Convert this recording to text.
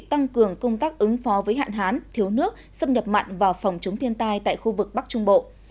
tăng cường công tác ứng phó với hạn hán thiếu nước xâm nhập mặn và phòng chống thiên tai tại khu vực bắc trung bộ